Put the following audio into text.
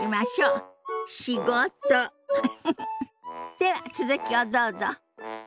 では続きをどうぞ。